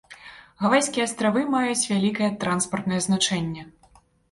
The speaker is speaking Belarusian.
Гавайскія астравы маюць вялікае транспартнае значэнне.